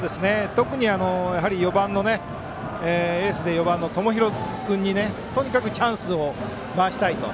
特にエースで４番の友廣君にとにかくチャンスを回したいと。